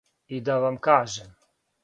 И да вам кажем.